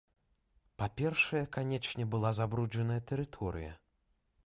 Па-першае, канечне, была забруджаная тэрыторыя.